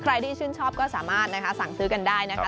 ใครที่ชื่นชอบก็สามารถสั่งซื้อกันได้นะคะ